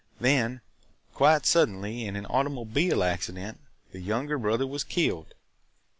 Then, quite suddenly, in an automobile accident, the younger brother was killed.